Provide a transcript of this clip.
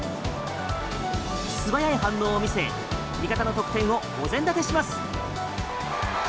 素早い反応を見せ味方の得点をお膳立てします。